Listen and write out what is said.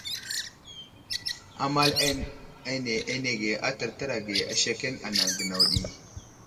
Amal ane anege a tərtər age asekeŋ anaŋ gənaw ɗi.